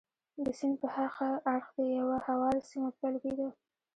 د سیند په هاغه اړخ کې یوه هواره سیمه پیل کېده.